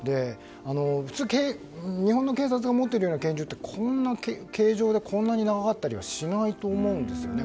普通、日本の警察が持っているような拳銃ってこんな形状でこんな長かったりはしないと思うんですよね。